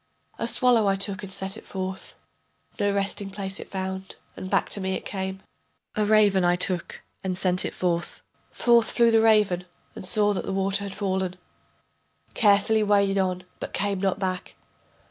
A swallow I took and sent it forth, No resting place it found, and back to me it came. A raven I took and sent it forth, Forth flew the raven and saw that the water had fallen, Carefully waded on but came not back.